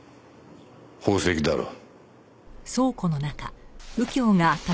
宝石だろ。